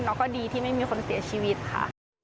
แล้วก็ดีที่ไม่มีคนเสียชีวิตค่ะ